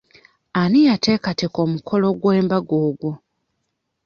Ani yateekateeka omukolo gw'embaga ogwo?